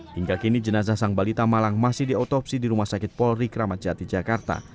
hingga kini jenazah sang balita malang masih diotopsi di rumah sakit polri kramat jati jakarta